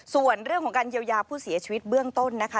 ส่วนเรื่องของการเยียวยาผู้เสียชีวิตเบื้องต้นนะคะ